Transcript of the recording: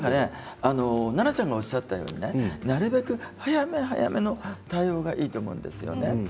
奈々ちゃんがおっしゃったようになるべく早め早めの対応がいいと思うんですよね。